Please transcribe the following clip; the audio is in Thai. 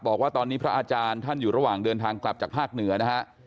บอกว่าตอนนี้พระอาจารย์ท่านอยู่ระหว่างเดินทางกลับจากภาคเหนือนะฮะ